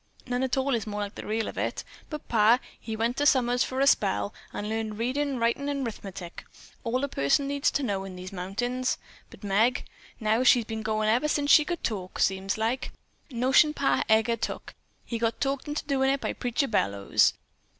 None at all is more like the real of it. But pa, he went summers for a spell, and learned readin', writin' and 'rithmetic. All a person needs to know in these mountains; but Meg, now, she's been goin' ever since she could talk, seems like. Notion Pa Heger took. He got talked into doin' it by Preacher Bellows."